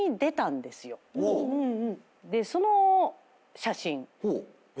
でその写真。